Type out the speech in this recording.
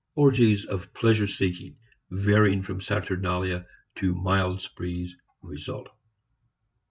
Orgies of pleasure seeking, varying from saturnalia to mild sprees, result.